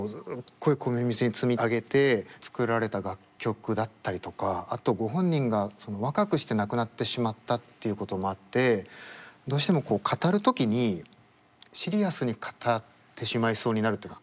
こう綿密に積み上げて作られた楽曲だったりとかあとご本人が若くして亡くなってしまったっていうこともあってどうしてもこう語る時にシリアスに語ってしまいそうになるというか。